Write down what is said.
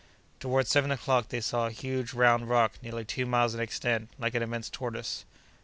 Toward seven o'clock they saw a huge round rock nearly two miles in extent, like an immense tortoise.